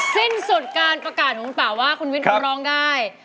สิ้นสุดการประกาศของคุณป่าว่าคุณวิทย์เขาร้องได้